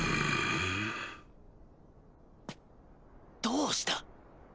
どうした？